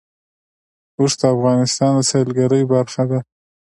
اوښ د افغانستان د سیلګرۍ برخه ده.